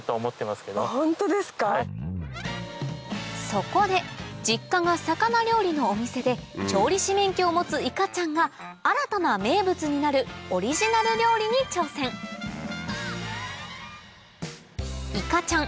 そこで実家が魚料理のお店で調理師免許を持ついかちゃんが新たな名物になるいかちゃん